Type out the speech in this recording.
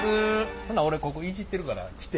ほな俺ここいじってるから来て。